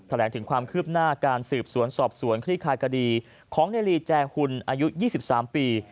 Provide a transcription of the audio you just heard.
แหลงถึงความคืบหน้าการสืบสวนสอบสวนคลี่คายคดีของในลีแจหุ่นอายุ๒๓ปี